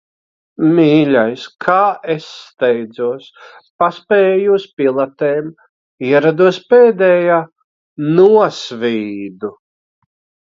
Mīļais, kā es steidzos! Paspēju uz pilatēm. Ierados pēdējā. Nosvīdu.